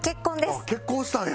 あっ結婚したんや！